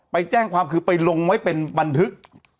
ไปแจ้งความคือไปลงไว้เป็นบันทึก